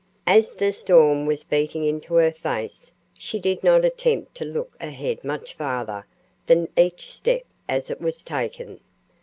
As the storm was beating into her face, she did not attempt to look ahead much farther than each step as it was taken.